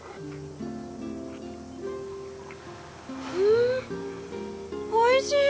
んおいしい！